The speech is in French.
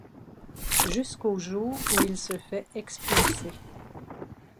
Jusqu'au jour où il se fait expulser.